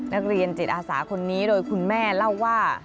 นักเรียนจิตอาสาคนนี้โดยคุณแม่เล่าว่า